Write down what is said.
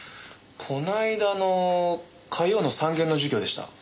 この間の火曜の３限の授業でした。